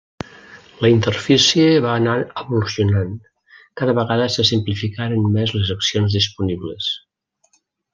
La interfície va anar evolucionant, cada vegada se simplificaren més les accions disponibles.